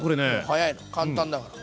早いの簡単だから。